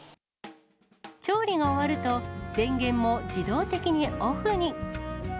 調理が終わると、電源も自動的にオフに。